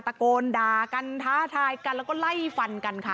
ตะโกนด่ากันท้าทายกันแล้วก็ไล่ฟันกันค่ะ